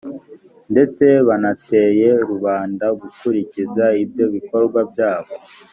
ndetse banateye rubanda gukurikiza ibyo bikorwa byabo